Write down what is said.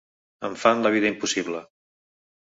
“Em fan la vida impossible”.